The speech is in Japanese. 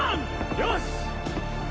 よし！